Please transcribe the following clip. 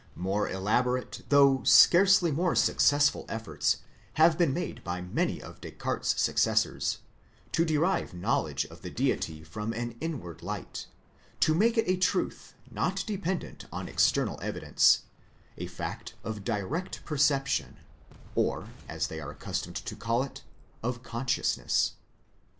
More elaborate, though scarcely more successful efforts, have been made by many of Descartes' successors, to derive knowledge of the Deity from an inward light : to make it a truth not dependent on external evidence, a fact of direct per ception, or, as they are accustomed to call it, of consciousness.